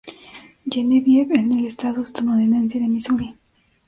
Genevieve en el estado estadounidense de Misuri.